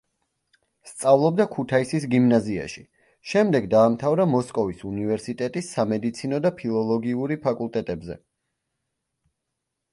სწავლობდა ქუთაისის გიმნაზიაში, შემდეგ დაამთავრა მოსკოვის უნივერსიტეტის სამედიცინო და ფილოლოგიური ფაკულტეტებზე.